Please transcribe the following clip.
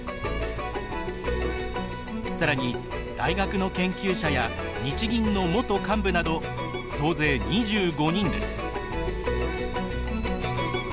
更に大学の研究者や日銀の元幹部など総勢２５人です。